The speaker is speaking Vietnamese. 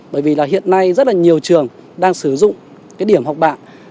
bởi vì là hiện nay rất là nhiều trường đang sử dụng cái điểm học bạ